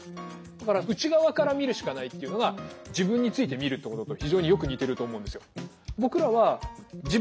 だから内側から見るしかないっていうのが自分について見るってことと非常によく似てると思うんですよ。